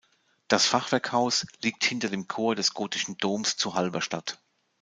Das Fachwerkhaus liegt hinter dem Chor des gotischen Doms zu Halberstadt.